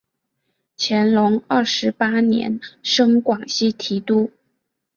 乾隆二十八年升广西提督。